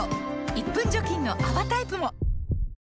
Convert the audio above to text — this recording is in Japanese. １分除菌の泡タイプも！